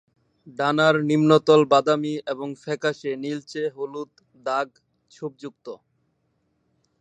ডানার নিম্নতল বাদামী এবং ফ্যাকাসে নীলচে হলুদ দাগ ছোপ যুক্ত।